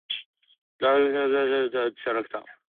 Dark Journey was initially a villainous character.